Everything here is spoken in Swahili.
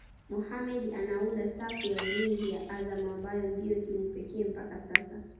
Mohammed anaunda safu ya ulinzi ya Azam ambayo ndio timu pekee mpaka sasa